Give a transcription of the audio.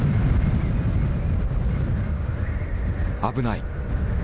「危ない」。